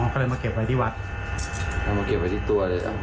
ก็เลยมาเก็บไว้ที่วัดเอามาเก็บไว้ที่ตัวเลย